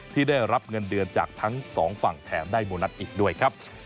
ที่ได้รับเงินเดือนจากทั้งสองฝั่งแถมได้โบนัสอีกด้วยครับ